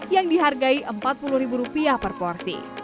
yang dihargai rp empat puluh per porsi